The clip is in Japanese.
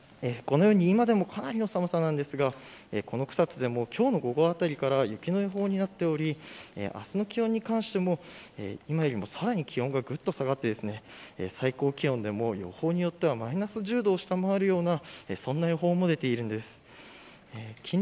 このように今でもかなりの寒さなんですがこの草津でも今日の午後あたりから雪の予報になっており明日の気温に関しても今よりもさらに気温が、ぐっと下がって最高気温でも予報によってはマイナス１０度を下回るようなそんな予報も出ているんです。